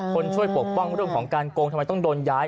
คนช่วยปกป้องเรื่องของการโกงทำไมต้องโดนย้าย